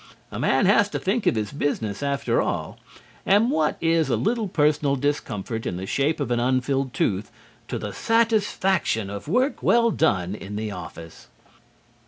A man has to think of his business, after all, and what is a little personal discomfort in the shape of an unfilled tooth to the satisfaction of work well done in the office?